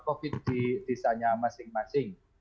covid di desanya masing masing